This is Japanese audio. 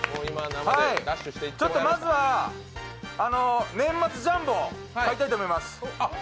まずは、年末ジャンボを買いたいと思います。